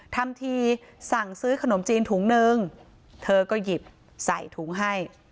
ทำทีสั่งซื้อขนมจีนถุงนึงเธอก็หยิบใส่ถุงให้